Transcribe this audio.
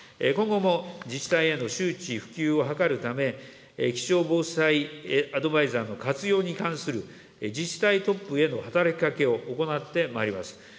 今後も自治体への周知・普及を図るため、気象防災アドバイザーの活用に関する自治体トップへの働きかけを行ってまいります。